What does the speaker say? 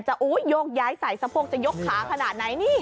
จะหยกย้ายสายสะพกจะยกขาขนาดไหน